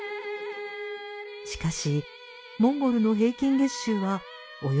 しかしモンゴルの平均月収はおよそ５万円。